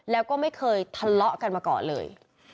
แล้วก็ไม่เคยทะเลาะกันมาก่อนเลย